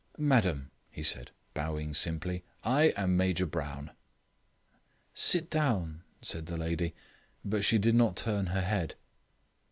"Madam," he said, bowing simply, "I am Major Brown." "Sit down," said the lady; but she did not turn her head.